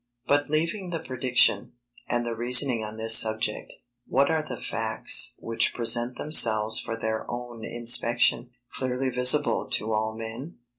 But leaving the prediction, and the reasoning on this subject, what are the facts which present themselves for our own inspection, clearly visible to all men?